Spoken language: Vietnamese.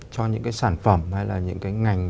cho những cái sản phẩm hay là những cái ngành